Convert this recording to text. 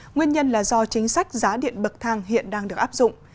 nguyên nhân là do chính sách giá điện bậc thang hiện đang được áp dụng